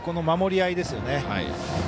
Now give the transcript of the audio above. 守り合いですよね。